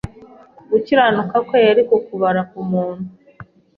Gukiranuka kwe yari kukubara ku muntu